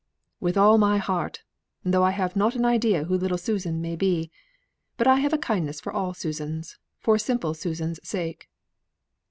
"With all my heart, though I have not an idea who little Susan may be. But I have a kindness for all Susans, for simple Susan's sake."